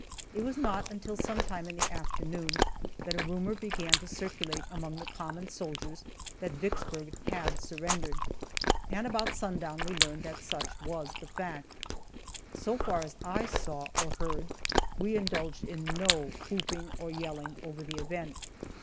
It was not until some time in the afternoon that a rumor began to circulate among the common soldiers that Vicksburg had surrendered, and about sundown we learned that such was the fact. So far as I saw or heard, we indulged in no whooping or yelling over the event.